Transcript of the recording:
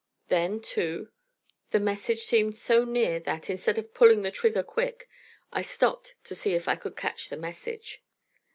Then, too, the message seemed so near that, instead of pulling the trigger quick, I stopped to see if I could catch the message.